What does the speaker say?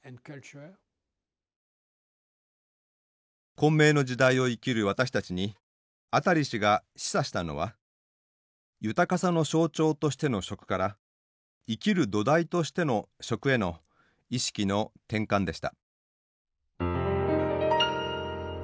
混迷の時代を生きる私たちにアタリ氏が示唆したのは豊かさの象徴としての「食」から生きる土台としての「食」への意識の転換でした。